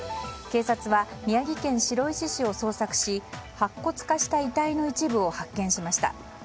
警察は宮城県白石市を捜索し白骨化した遺体の一部を発見しました。